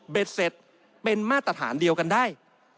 เสร็จเป็นมาตรฐานเดียวกันได้